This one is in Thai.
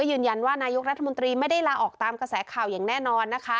ยืนยันว่านายกรัฐมนตรีไม่ได้ลาออกตามกระแสข่าวอย่างแน่นอนนะคะ